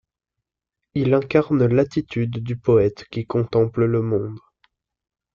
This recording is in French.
Il incarne l'attitude du poète qui contemple le monde.